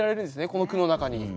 この句の中に。